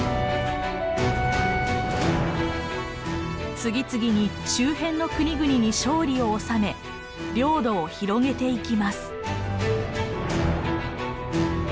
次々に周辺の国々に勝利を収め領土を広げていきます。